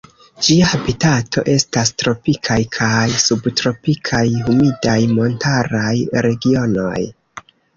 Ĝia habitato estas tropikaj kaj subtropikaj humidaj montaraj regionoj.